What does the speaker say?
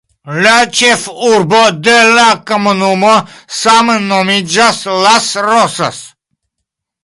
La ĉefurbo de la komunumo same nomiĝas Las Rosas.